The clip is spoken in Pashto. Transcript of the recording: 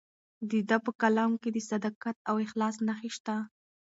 د ده په کلام کې د صداقت او اخلاص نښې شته.